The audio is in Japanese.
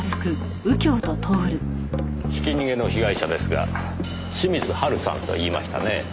ひき逃げの被害者ですが清水ハルさんといいましたねぇ。